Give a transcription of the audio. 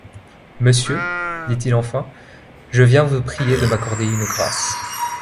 Monsieur, dit-il enfin, je viens vous prier de m’accorder une grâce.